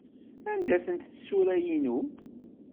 Anda-tent tsura-inu?